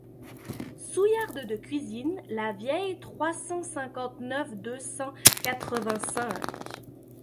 souillarde de cuisine Lavieille trois cent cinquante-neuf deux cent quatre-vingt-cinq.